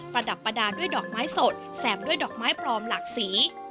ระดับประดาษด้วยดอกไม้สดแสบด้วยดอกไม้ปลอมหลากสี